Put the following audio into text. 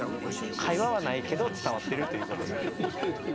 会話はないけど伝わっているということです。